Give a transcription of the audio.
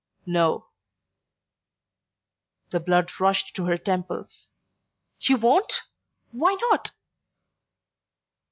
"No." The blood rushed to her temples. "You won't? Why not?"